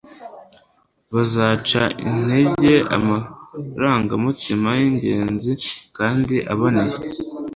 bizaca intege amarangamutima y'ingenzi kandi aboneye